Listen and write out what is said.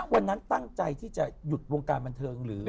วันนั้นตั้งใจที่จะหยุดวงการบันเทิงหรือ